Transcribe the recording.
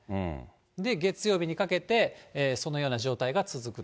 で、月曜日にかけて、そのような状態が続くと。